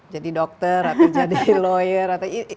jadi dokter atau jadi lawyer